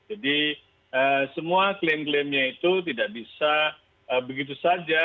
jadi semua klaim klaimnya itu tidak bisa begitu saja